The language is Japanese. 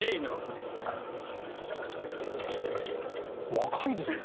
若いですね。